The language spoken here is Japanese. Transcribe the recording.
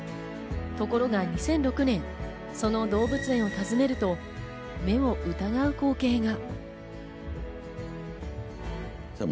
ところが２００６年、その動物園を訪ねると、目を疑う光景が。